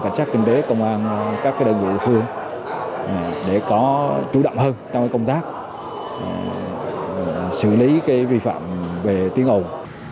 cảnh sát kinh tế công an các đơn vị địa phương để có chủ động hơn trong công tác xử lý vi phạm về tiếng ồn